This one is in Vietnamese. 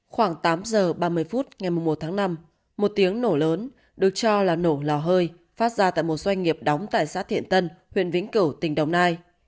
khoảng tám giờ ba mươi phút ngày một tháng năm một tiếng nổ lớn được cho là nổ lò hơi phát ra tại một doanh nghiệp đóng tại xã thiện tân huyện vĩnh cửu tỉnh đồng nai